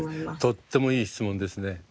とってもいい質問ですね。